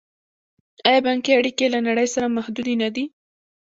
آیا بانکي اړیکې یې له نړۍ سره محدودې نه دي؟